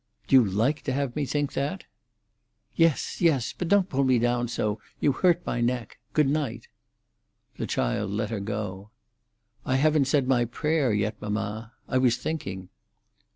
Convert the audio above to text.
Do you like to have me think that?" "Yes—yes. But don't pull me down so; you hurt my neck. Good night." The child let her go. "I haven't said my prayer yet, mamma. I was thinking."